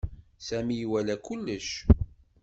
Sami iwala kullec.